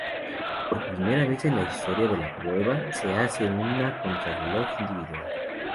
Por primera vez en la historia de la prueba se hace una contrarreloj individual.